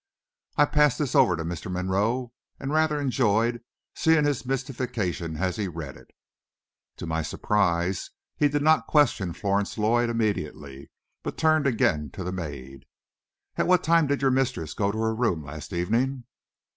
I passed this over to Mr. Monroe, and rather enjoyed seeing his mystification as he read it. To my surprise he did not question Florence Lloyd immediately, but turned again to the maid. "At what time did your mistress go to her room last evening?"